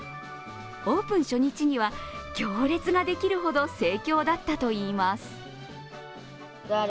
オープン初日には、行列ができるほど盛況だったといいます。